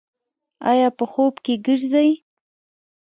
ایا په خوب کې ګرځئ؟